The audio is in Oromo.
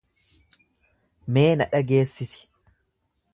Mee na dhageessisi.